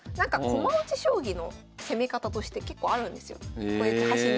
駒落ち将棋の攻め方として結構あるんですよ。